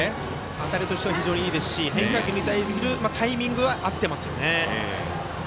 当たりとしては非常にいいですし、変化球に対するタイミングは合ってますね。